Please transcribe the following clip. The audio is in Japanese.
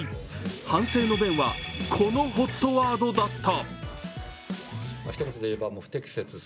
反省の弁はこのＨＯＴワードだった。